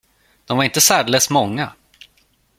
De var inte särdeles många.